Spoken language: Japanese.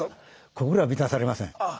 心は満たされません。